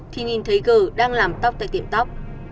thì nhìn thấy g đang làm tóc tại tiệm tóc